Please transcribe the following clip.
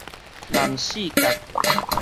南勢角